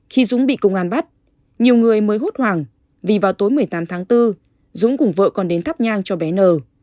khi dũng bị công an bắt nhiều người mới hốt hoàng vì vào tối một mươi tám tháng bốn dũng cùng vợ còn đến thắp nhang cho bé nở